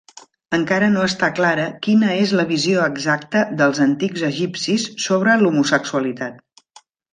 Encara no està clara quina és la visió exacta dels antics egipcis sobre l'homosexualitat.